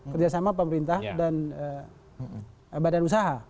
kerjasama pemerintah dan badan usaha